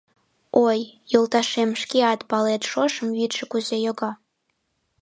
Ой, йолташем шкеат палет Шошым вӱдшӧ кузе йога;